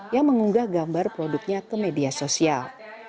yang mengunggah gambar produknya ke media sosial